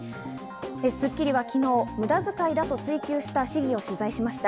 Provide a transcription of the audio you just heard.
『スッキリ』は昨日、無駄遣いだと追及した市議を取材しました。